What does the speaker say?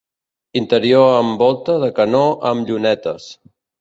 Interior amb volta de canó amb llunetes.